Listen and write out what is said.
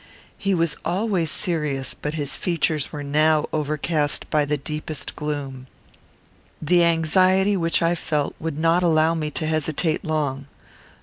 He was always serious, but his features were now overcast by the deepest gloom. The anxiety which I felt would not allow me to hesitate long.